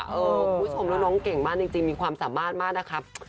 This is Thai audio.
คุณผู้ชมแล้วน้องเก่งมากจริงมีความสามารถมากนะครับ